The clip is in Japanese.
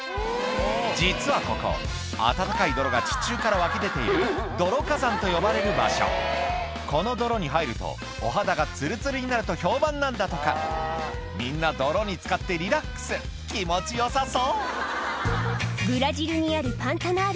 実はここ温かい泥が地中から湧き出ている泥火山と呼ばれる場所この泥に入るとお肌がツルツルになると評判なんだとかみんな泥につかってリラックス気持ちよさそうん？